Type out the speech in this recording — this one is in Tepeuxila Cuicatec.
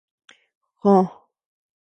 Joo.